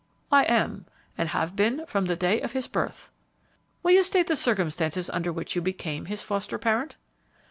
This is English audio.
"I am, and have been from the day of his birth." "Will you state the circumstances under which you became his foster parent?"